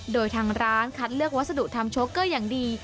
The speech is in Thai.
โดยทางร้านคัดเลือกวัสดุทำโชคเกอร์อย่างดี